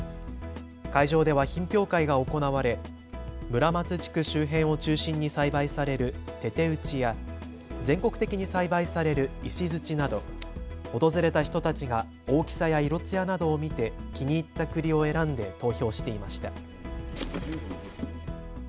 会場では品評会が行われ村松地区周辺を中心に栽培される手々打や全国的に栽培される石鎚など、訪れた人たちが大きさや色つやなどを見て気に入ったくりを選んで投票していました。